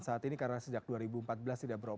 saat ini karena sejak dua ribu empat belas tidak beroperasi